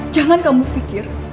jangan kamu pikir